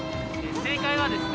正解はですね。